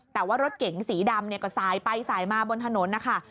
แต่ว่ารถเก๋งสีดำเนี่ยก็สายไปสายมาบนถนนนะคะ